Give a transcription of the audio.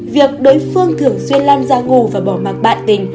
việc đối phương thường xuyên lan ra ngủ và bỏ mặt bạn tình